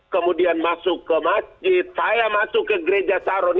kemudian masuk ke masjid saya masuk ke gereja saron